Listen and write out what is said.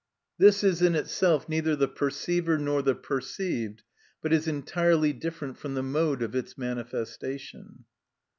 This is in itself neither the perceiver nor the perceived, but is entirely different from the mode of its manifestation.